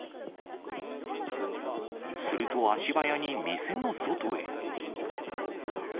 すると足早に店の外へ。